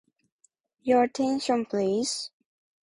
Your attention, please.